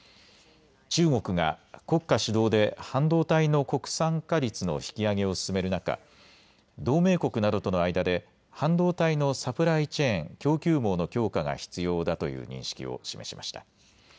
中国が国家主導で半導体の国産化率の引き上げを進める中、同盟国などとの間で半導体のサプライチェーン・供給網の強化が必要だという認識を示しました。